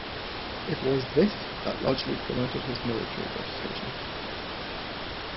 It was this that largely promoted his military reputation.